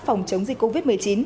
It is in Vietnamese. phòng chống dịch covid một mươi chín